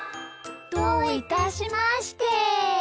どういたしまして。